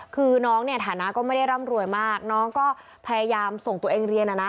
คือน้องเนี่ยฐานะก็ไม่ได้ร่ำรวยมากน้องก็พยายามส่งตัวเองเรียนนะ